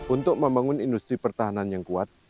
untuk membangun industri pertahanan yang kuat